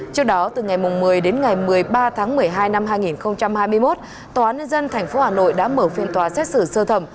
trước đó từ ngày một mươi đến ngày một mươi ba tháng một mươi hai năm hai nghìn hai mươi một tòa án nhân dân tp hà nội đã mở phiên tòa xét xử sơ thẩm